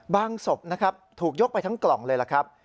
ศพนะครับถูกยกไปทั้งกล่องเลยล่ะครับ